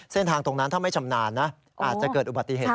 เส้นทางตรงนั้นถ้าไม่ชำนาญนะอาจจะเกิดอุบัติเหตุ